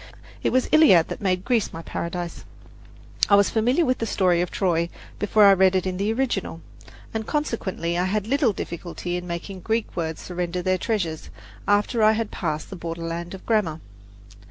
It was the Iliad that made Greece my paradise. I was familiar with the story of Troy before I read it in the original, and consequently I had little difficulty in making the Greek words surrender their treasures after I had passed the borderland of grammar.